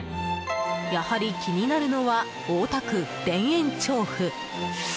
やはり気になるのは大田区田園調布。